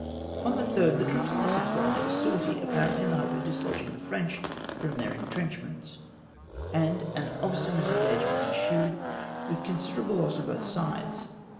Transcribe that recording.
On the 3rd the troops in the citadel made a sortie, apparently in the hope of dislodging the French from their intrenchments, and an obstinate engagement ensued, with considerable loss on both sides.